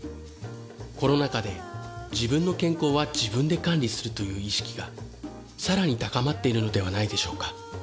コロナ禍で自分の健康は自分で管理するという意識が更に高まっているのではないでしょうか。